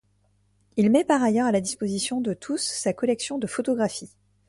Il met par ailleurs à la disposition de tous sa collection de photographies.